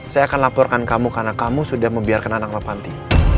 saya akan laporkan kamu karena kamu sudah membiarkan anak mapanti